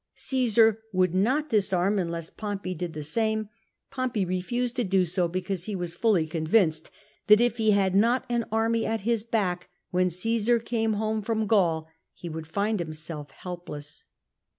Cmsar would nob disarm unless Pompey did the same : Pompey refused to do so, because he was fully convinced that if he had not an army at his back when Cmsar came home from Gaul, he would find him self helpless.